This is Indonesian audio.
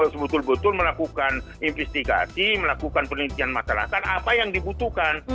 sebetul betul melakukan investigasi melakukan penelitian masyarakat apa yang dibutuhkan